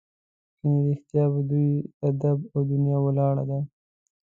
ګنې رښتیا په دوی ادب او دنیا ولاړه ده.